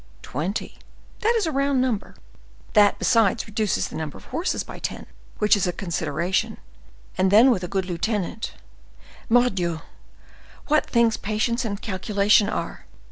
Twenty—that is a round number; that, besides, reduces the number of the horses by ten, which is a consideration; and then, with a good lieutenant—Mordioux! what things patience and calculation are!